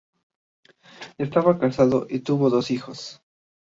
Estaba casado y tuvo dos hijos.